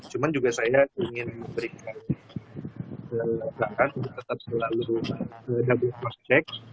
cuman juga saya ingin memberikan kelelakan untuk tetap selalu double cross check